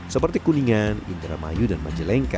seperti kuningan indramayu dan majalengka